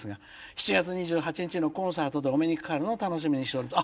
７月２８日のコンサートでお目にかかるのを楽しみにしております」。